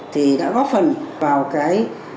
thì đã góp phần vào cái